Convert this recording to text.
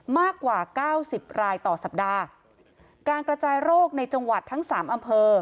มากกว่าเก้าสิบรายต่อสัปดาห์การกระจายโรคในจังหวัดทั้งสามอำเภอ